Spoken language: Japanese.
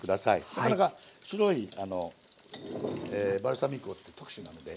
なかなか白いバルサミコ特殊なので。